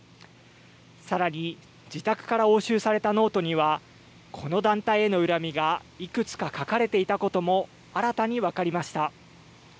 さらに自宅から押収されたノートには、この団体への恨みがいくつか書かれていたことも新たに分かりました。